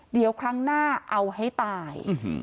เดี๋ยวครั้งหน้าเอาให้ตาย